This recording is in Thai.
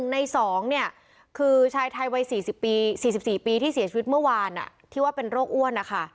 ใน๒คือชายไทยวัย๔๔ปีที่เสียชีวิตเมื่อวานที่ว่าเป็นโรคอ้วนนะคะ